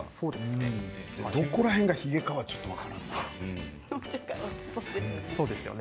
どこら辺がヒゲかはちょっと分からないですね。